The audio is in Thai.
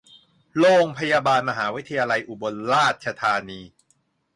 โรงพยาบาลมหาวิทยาลัยอุบลราชธานี